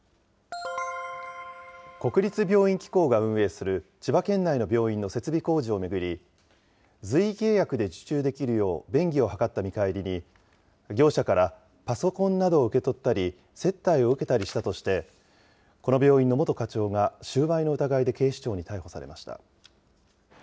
国立病院機構が運営する千葉県内の病院の設備工事を巡り、随意契約で受注できるよう便宜を図った見返りに、業者からパソコンなどを受け取ったり、接待を受けたりしたとして、この病院の元課長が収賄の疑いで警視庁に逮捕されました。